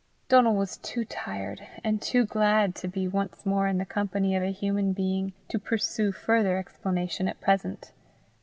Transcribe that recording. Donal was too tired, and too glad to be once more in the company of a human being, to pursue further explanation at present.